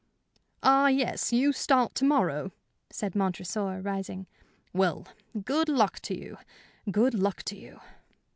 "Ah, yes, you start to morrow," said Montresor, rising. "Well, good luck to you good luck to you."